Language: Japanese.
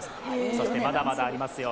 そしてまだまだありますよ